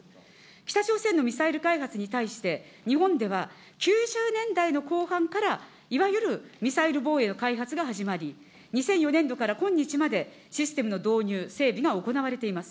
北朝鮮のミサイル開発に対して、日本では９０年代の後半からいわゆる、ミサイル防衛の開発が始まり、２００４年度から今日まで、システムの導入、整備が行われています。